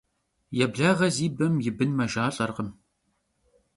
Yêblağe zi bem yi bın mejjalh'erkhım.